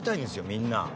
みんな。